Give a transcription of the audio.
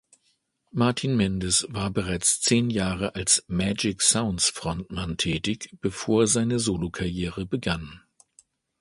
Martin Mendes war bereits zehn Jahre als „Magic-Sounds“-Frontmann tätig, bevor seine Solo-Karriere begann.